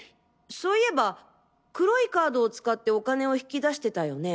そういえば黒いカードを使ってお金を引き出してたよね。